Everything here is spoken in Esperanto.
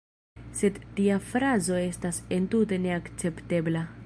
Sed tia frazo estas entute neakceptebla.